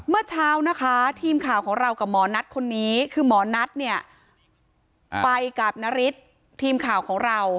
เมื่อเช้านะคะทีมข่าวของเรากับหมอนัทคนนี้คือหมอนัทเนี่ยไปกับนฤทธิ์ทีมข่าวของเรา